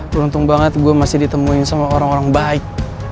beruntung banget gue masih ditemuin sama orang orang baik